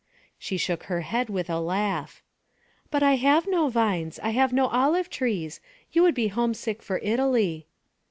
She shook her head with a laugh. 'But I have no vines; I have no olive trees. You would be homesick for Italy.'